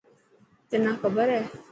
تنان کبر هي؟